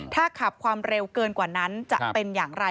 ถ้าขับความเร็วเกินกว่านั้นจะเป็นอย่างไร